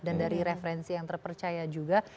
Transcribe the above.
dan dari referensi yang terpercaya juga